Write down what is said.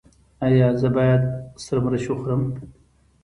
ایا زه باید سره مرچ وخورم؟